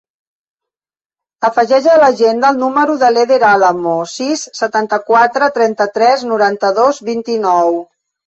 Afegeix a l'agenda el número de l'Eder Alamo: sis, setanta-quatre, trenta-tres, noranta-dos, vint-i-nou.